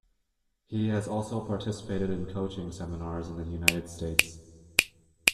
He has also participated in coaching seminars in the United States.